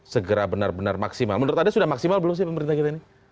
segera benar benar maksimal menurut anda sudah maksimal belum sih pemerintah kita ini